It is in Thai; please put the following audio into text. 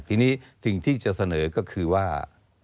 ทีนี้สิ่งที่จะเสนอก็คือว่า